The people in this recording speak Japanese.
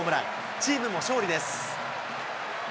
チームも勝利です。